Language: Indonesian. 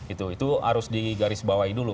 itu harus digarisbawahi dulu